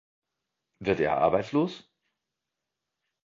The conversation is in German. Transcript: Wird er arbeitslos?